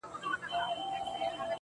ما د مرگ ورځ به هم هغه ورځ وي,